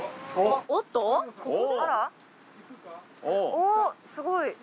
おっすごい。